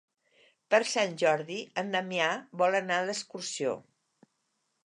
Per Sant Jordi en Damià vol anar d'excursió.